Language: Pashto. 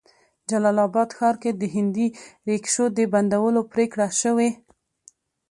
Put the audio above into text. جلال آباد ښار کې د هندي ريکشو د بندولو پريکړه شوې